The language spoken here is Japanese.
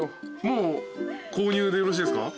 もう購入でよろしいですか？